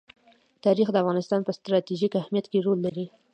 تاریخ د افغانستان په ستراتیژیک اهمیت کې رول لري.